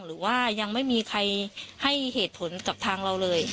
หรือว่ายังไม่มีใครให้เหตุผลกับทางเราเลย